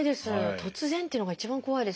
突然っていうのが一番怖いですね。